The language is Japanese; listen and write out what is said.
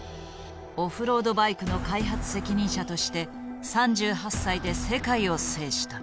オフロードバイクの開発責任者として３８歳で世界を制した。